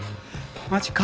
マジか。